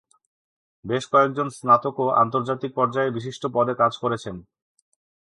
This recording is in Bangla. বেশ কয়েকজন স্নাতকও আন্তর্জাতিক পর্যায়ে বিশিষ্ট পদে কাজ করেছেন।